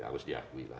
harus diakui lah